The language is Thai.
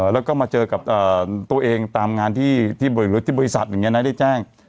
และก็มาเจอกับตัวเองตามงานที่บริษัทได้แจ้ง